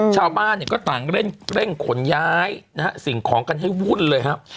ชาวบ้านเนี่ยก็ต่างเร่งขนย้ายนะฮะสิ่งของกันให้วุ่นเลยครับ